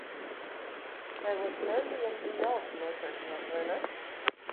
Tēvocim Endijam bija jautra nosēšanās, vai ne?